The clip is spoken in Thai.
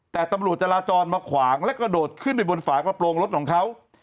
แต่ตำรวจจราจรมาขวางและกระโดดขึ้นไปบนฝากระโปรงรถของเขา